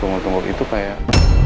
tunggu tunggu itu kayak